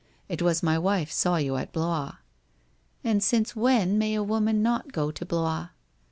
It was my wife saw you at Blois.' ' And since when may a woman not go to Blois